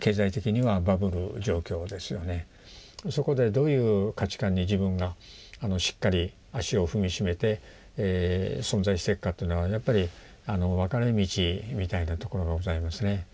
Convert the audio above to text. そこでどういう価値観に自分がしっかり足を踏み締めて存在していくかというのはやっぱり分かれ道みたいなところがございますね。